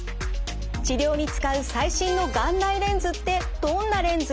治療に使う最新の眼内レンズってどんなレンズ？